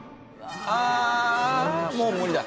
ああもう無理だ。